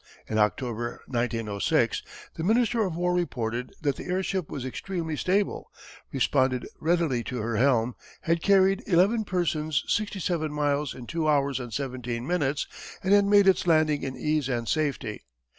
In October, 1906, the Minister of War reported that the airship was extremely stable, responded readily to her helm, had carried eleven persons sixty seven miles in two hours and seventeen minutes, and had made its landing in ease and safety.